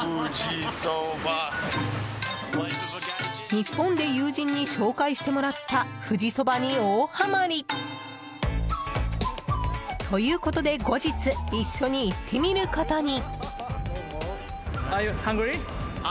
日本で友人に紹介してもらった富士そばに大はまり！ということで後日、一緒に行ってみることに。